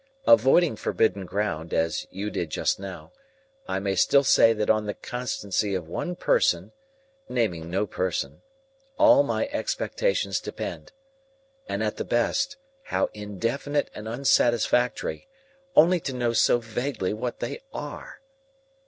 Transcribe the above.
Avoiding forbidden ground, as you did just now, I may still say that on the constancy of one person (naming no person) all my expectations depend. And at the best, how indefinite and unsatisfactory, only to know so vaguely what they are!"